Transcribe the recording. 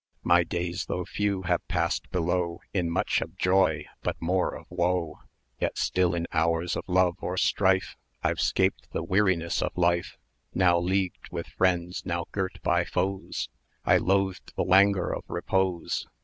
My days, though few, have passed below In much of Joy, but more of Woe; Yet still in hours of love or strife, I've 'scaped the weariness of Life: Now leagued with friends, now girt by foes, I loathed the languor of repose.